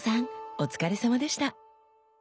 お疲れさまでした。